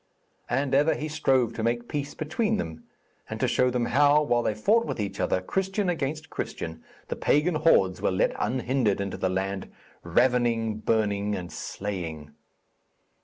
And ever he strove to make peace between them, and to show them how, while they fought with each other, Christian against Christian, the pagan hordes were let unhindered into the land, ravening, burning, and slaying.